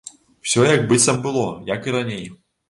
Усё як быццам было, як і раней.